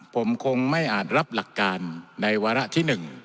ผมคงไม่อาจรับหลักการในวาระที่๑